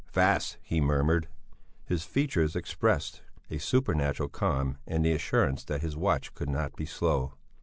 Fast!" he murmured. His features expressed a supernatural calm and the assurance that his watch could not be slow.